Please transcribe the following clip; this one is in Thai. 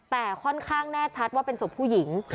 แต่ค่อนข้างแน่ชัดว่าเป็นศพผู้หญิง